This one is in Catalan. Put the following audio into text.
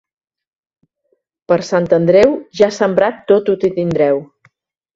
Per Sant Andreu, ja sembrat tot ho tindreu.